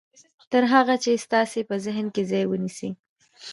تر هغه چې ستاسې په ذهن کې ځای ونيسي.